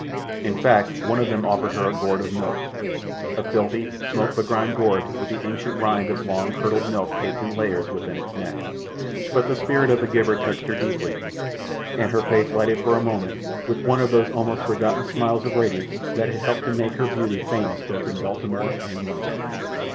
In fact, one of them offered her a gourd of milk—a filthy, smoke begrimed gourd, with the ancient rind of long curdled milk caked in layers within its neck; but the spirit of the giver touched her deeply, and her face lightened for a moment with one of those almost forgotten smiles of radiance that had helped to make her beauty famous both in Baltimore and London.